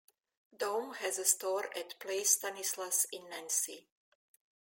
Daum has a store at Place Stanislas in Nancy.